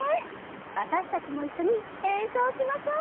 わたしたちもいっしょにえんそうしましょう！